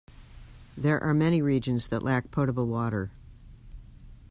There are many regions that lack potable water.